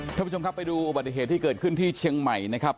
ท่านผู้ชมครับไปดูอุบัติเหตุที่เกิดขึ้นที่เชียงใหม่นะครับ